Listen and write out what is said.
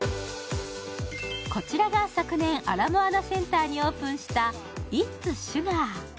こちらが昨年アラモアナセンターにオープンしたＩＴ’ＳＳＵＧＡＲ。